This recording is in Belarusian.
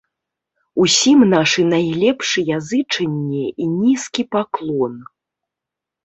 Усім нашы найлепшыя зычэнні і нізкі паклон.